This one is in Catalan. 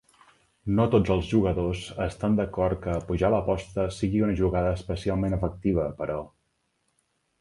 No tots els jugadors estan d'acord que apujar l'aposta sigui una jugada especialment efectiva, però.